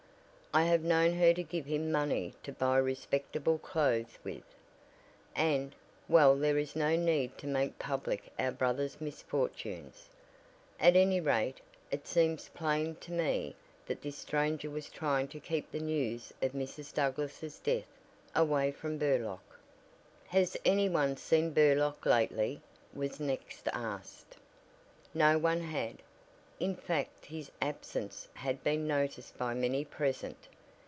"I have known her to give him money to buy respectable clothes with, and, well there is no need to make public our brother's misfortunes. At any rate, it seems plain to me that this stranger was trying to keep the news of Mrs. Douglass' death away from Burlock." "Has any one seen Burlock lately?" was next asked. No one had; in fact his absence had been noticed by many present.